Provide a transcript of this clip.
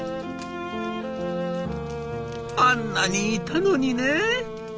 「あんなにいたのにね」。